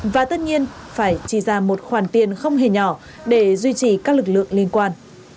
và tất nhiên phải chi ra một khoản tiền không hề nhỏ để duy trì các lực lượng liên quan